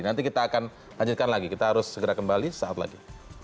nanti kita akan lanjutkan lagi kita harus segera kembali saat lagi